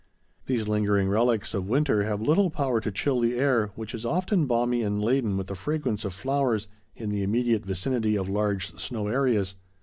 These lingering relics of winter have little power to chill the air, which is often balmy and laden with the fragrance of flowers, in the immediate vicinity of large snow areas.